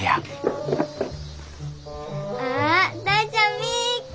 あっ大ちゃん見っけ！